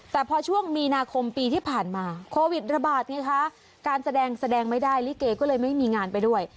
แต่พอช่วงมีนาคมปีที่ผ่านมาโควิดระบาดไงคะการแสดงแสดงไม่ได้ลิเกก็เลยไม่มีงานไปด้วย